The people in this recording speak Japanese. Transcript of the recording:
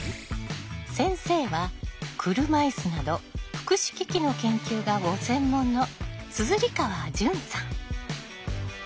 先生は車いすなど福祉機器の研究がご専門の硯川潤さん。